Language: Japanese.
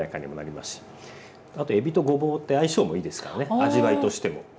あとえびとごぼうって相性もいいですからね味わいとしても。